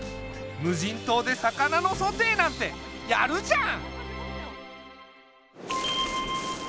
無人島で魚のソテーなんてやるじゃん！